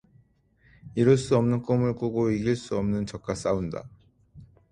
이룰 수 없는 꿈을 꾸고 이길수 없는 적과 싸운다.